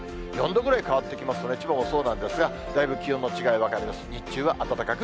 ４度ぐらい変わってきますとね、千葉もそうなんですが、だいぶ気温の違い分かりやすい。